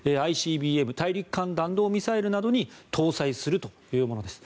ＩＣＢＭ・大陸間弾道ミサイルなどに搭載するというものです。